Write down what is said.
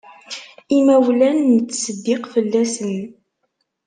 Imawlan, nettseddiq fell-asen.